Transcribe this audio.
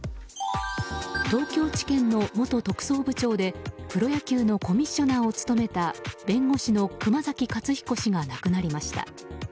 東京地検の元特捜部長でプロ野球のコミッショナーを務めた弁護士の熊崎勝彦氏が亡くなりました。